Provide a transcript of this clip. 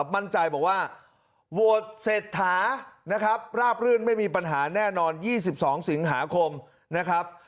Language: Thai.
มั่นใจบอกว่าโหวตเศรษฐานะครับราบรื่นไม่มีปัญหาแน่นอน๒๒สิงหาคมนะครับ